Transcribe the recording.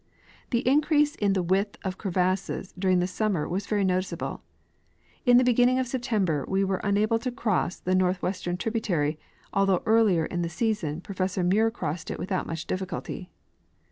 The increase in the width of crevasses during the summer was very noticeable. In the beginning of September Ave were unable to cross the northwestern tributary, although earlier in the season Professor Muir crossed it without much difficulty.